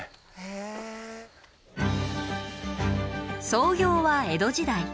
創業は江戸時代。